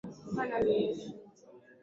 Kaa nami Yesu